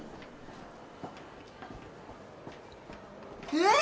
えっ？